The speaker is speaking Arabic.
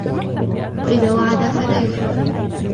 وَإِذَا وَعَدَ فَلَا يُخْلِفُ